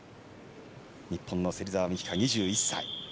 日本の芹澤美希香、２１歳。